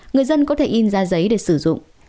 người dân có thể in ra giấy để sử dụng